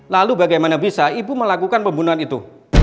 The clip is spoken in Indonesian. lalu bagaimana bisa ibu melakukan pembunuhan itu